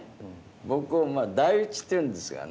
僕を「代打ち」っていうんですがね。